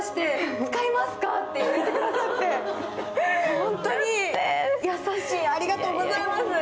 ホントに優しい、ありがとうございます。